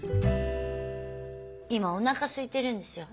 今おなかすいてるんですよ。